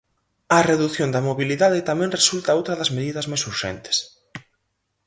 A redución da mobilidade tamén resulta outra das medidas máis urxentes.